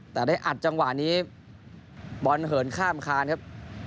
แต่ได้อัดจังหวะนี้บอลเหินข้ามคานครับ